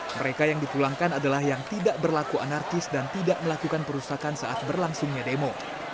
mereka yang dipulangkan adalah yang tidak berlaku anarkis dan tidak melakukan perusakan saat berlangsungnya demo